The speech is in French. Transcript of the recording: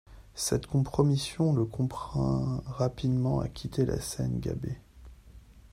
Cette compromission le contraint rapidement à quitter la scène gabber.